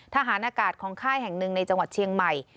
ทหารอากาศของค่ายแห่งหนึ่งในจังหวัดเชียงใหม่